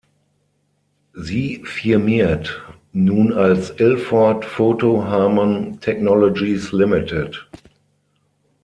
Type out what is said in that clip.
Sie firmiert nun als "Ilford Photo Harman Technologies Ltd.